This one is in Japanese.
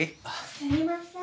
すみません。